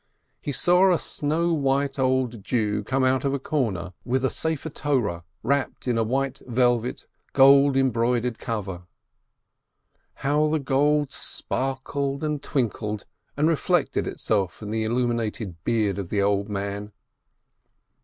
He saw a snow white old Jew come out of a corner with a scroll of the Torah wrapped in a white velvet, gold embroidered cover. How the gold sparkled and twinkled and reflected itself in the illumi nated beard of the old man